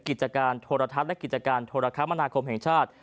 กิจการโทรทัศน์และกิจการโทรคมนาคมแห่งชาติ